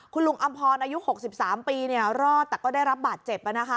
คุณลุงอำพรอายุ๖๓ปีรอดแต่ก็ได้รับบาดเจ็บ